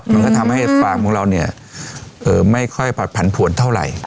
มันก็ทำให้ฟาร์มของเราเนี่ยไม่ค่อยผัดผันผวนเท่าไหร่